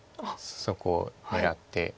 そこを狙って。